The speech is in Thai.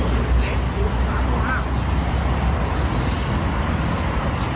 เปลี่ยนถูกสามารถ